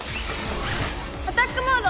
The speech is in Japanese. アタックモード！